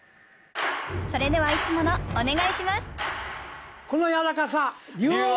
それではいつものお願いします！